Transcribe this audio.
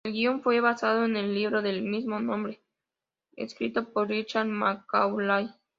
El guion fue basado en el libro del mismo nombre escrito por Richard Macaulay.